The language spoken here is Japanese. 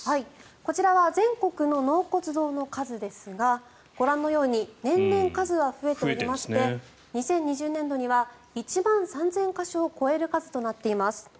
こちらは全国の納骨堂の数ですがご覧のように年々数は増えていまして２０２０年度には１万３０００か所を超える数となっています。